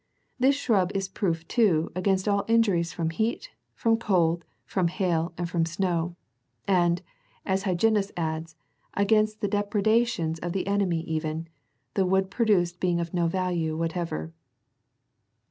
This shrub is proof, too, against all injuries from heat, from cold, from hail, and from snow : and, as Hyginus adds, against the depredations of the enemy even, the wood33 produced being of no value what ever.